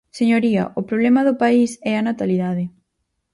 Señoría, o problema do país é a natalidade.